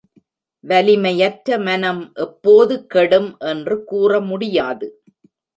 வலிமையற்ற மனம் எப்போது கெடும் என்று கூற முடியாது.